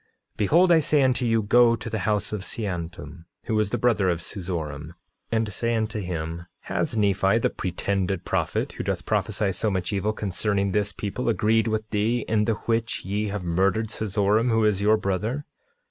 9:26 Behold I say unto you: Go to the house of Seantum, who is the brother of Seezoram, and say unto him— 9:27 Has Nephi, the pretended prophet, who doth prophesy so much evil concerning this people, agreed with thee, in the which ye have murdered Seezoram, who is your brother?